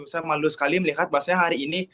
saya malu sekali melihat bahwasanya hari ini